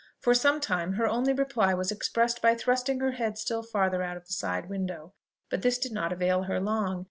For some time her only reply was expressed by thrusting her head still farther out of the side window. But this did not avail her long.